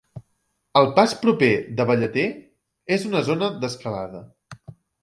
El pas proper de Ballater és una zona d'escalada.